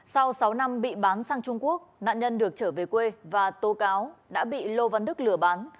sau sáu năm bị bán sang trung quốc nạn nhân được trở về quê và tố cáo đã bị lô văn đức lừa bán